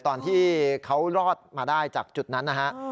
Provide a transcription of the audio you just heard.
ตอนที่เขารอดมาได้จากจุดนั้นนะฮะ